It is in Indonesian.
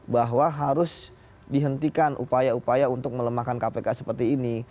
bahwa harus dihentikan upaya upaya untuk melemahkan kpk seperti ini